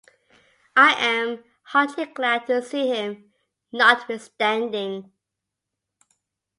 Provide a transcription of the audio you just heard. I am heartily glad to see him, notwithstanding.